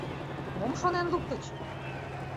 Мом шонен луктыч?